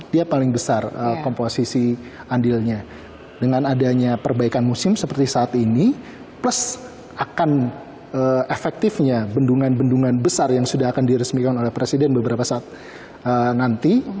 dia paling besar komposisi andilnya dengan adanya perbaikan musim seperti saat ini plus akan efektifnya bendungan bendungan besar yang sudah akan diresmikan oleh presiden beberapa saat nanti